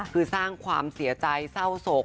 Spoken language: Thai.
คือสร้างความเสียใจเศร้าโศก